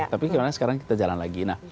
tapi sekarang kita jalan lagi